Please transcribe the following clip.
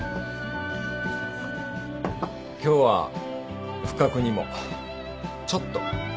今日は不覚にもちょっと楽しかった。